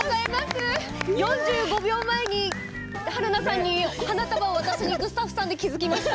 ４５秒前に近藤さんに花束を渡しにいくスタッフさんで気が付きました。